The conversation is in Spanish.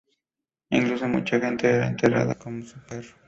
Incluso mucha gente era enterrada con su perro.